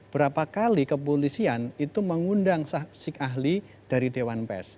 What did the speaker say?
berapa kali kepolisian itu mengundang sik ahli dari dewan pers